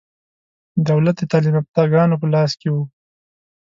دولت د تعلیم یافته ګانو په لاس کې و.